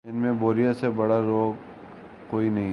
ان میں بوریت سے بڑا روگ کوئی نہیں۔